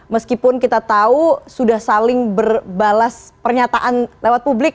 meskipun kita tahu sudah saling berbalas pernyataan lewat publik